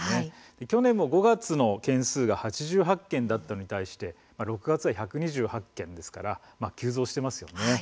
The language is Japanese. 去年も５月の件数が８８件だったのに対して６月は１２８件ですから急増しています。